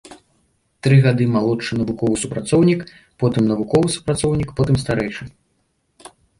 Тры гады малодшы навуковы супрацоўнік, потым навуковы супрацоўнік, потым старэйшы.